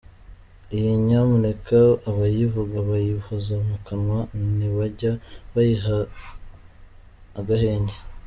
Iyi ‘Nyamuneka’ abayivuga bayihoza mu kanwa ntibajya bayiha agahenge !